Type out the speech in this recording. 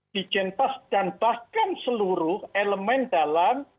dijentas dan bahkan seluruh elemen dalam